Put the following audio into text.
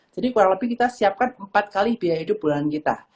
jadi kurang lebih kita siapkan empat kali biaya hidup bulanan kita